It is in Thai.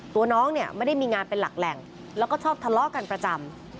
ตัวน้องเนี่ยไม่ได้มีงานเป็นหลักแหล่งแล้วก็ชอบทะเลาะกันประจำ